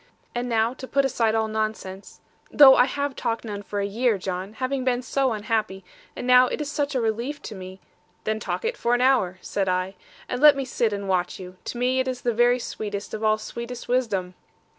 And now to put aside all nonsense; though I have talked none for a year, John, having been so unhappy; and now it is such a relief to me ' 'Then talk it for an hour,' said I; 'and let me sit and watch you. To me it is the very sweetest of all sweetest wisdom.'